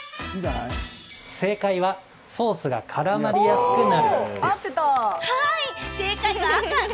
正解はソースがからまりやすくなるです。